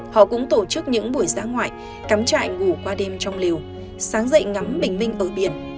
họ cũng tổ chức những buổi giã ngoại cắm trại ngủ qua đêm trong liều sáng dậy ngắm bình minh ở biển